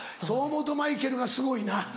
そう思うとマイケルがすごいな。